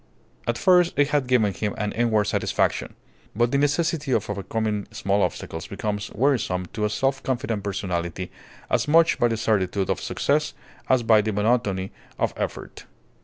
At first it had given him an inward satisfaction. But the necessity of overcoming small obstacles becomes wearisome to a self confident personality as much by the certitude of success as by the monotony of effort.